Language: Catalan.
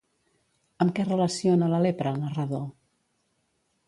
Amb què relaciona la lepra el narrador?